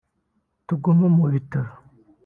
tuguma mu bitaro